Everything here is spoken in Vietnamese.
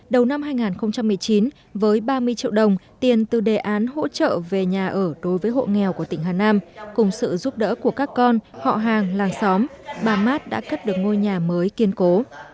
đầu năm hai nghìn một mươi chín với ba mươi triệu đồng tiền từ đề án hỗ trợ về nhà ở đối với hộ nghèo của tỉnh hà nam cùng sự giúp đỡ của các con họ hàng làng xóm bà mát đã cất được ngôi nhà mới kiên cố